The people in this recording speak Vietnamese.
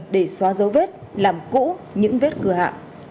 để xóa dấu vết làm cũ những vết cưa hạ